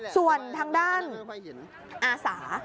ส่วนทางด้านอาสา